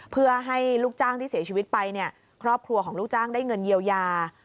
เพื่อให้ลูกจ้างที่เสียชีวิตไปเนี่ยครอบครัวของลูกจ้างได้เงินเยียวยา